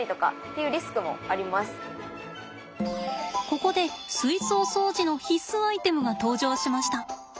ここで水槽掃除の必須アイテムが登場しました。